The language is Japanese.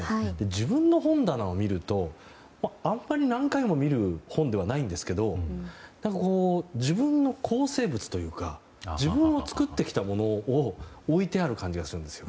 自分の本棚を見るとあまり何回も見る本ではないんですが自分の構成物というか自分を作ってきたものを置いてある感じがするんですよ。